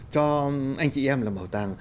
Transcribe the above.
cho anh chị em làm bảo tàng